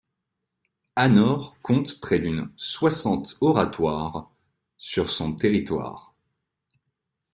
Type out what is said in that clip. Anor compte près d'une soixante oratoires sur son territoire.